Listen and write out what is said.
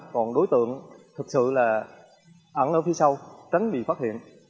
còn đối tượng thực sự là ẩn ở phía sau tránh bị phát hiện